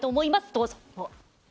どうぞ。